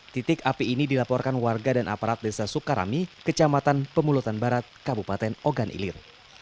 titik api ini dilaporkan warga dan aparat desa sukarami kecamatan pemulutan barat kabupaten ogan ilir